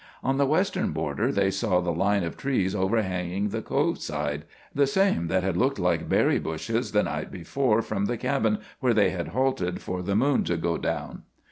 On the western border they saw the line of trees overhanging the Cove side the same that had looked like berry bushes the night before from the cabin where they had halted for the moon to go down.